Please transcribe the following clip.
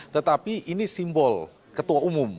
tetapi ini simbol ketua umum